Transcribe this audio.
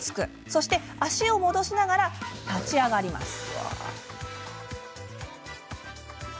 そして、足を戻しながら立ち上がります。